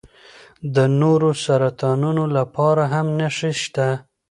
د نورو سرطانونو لپاره هم نښې شته.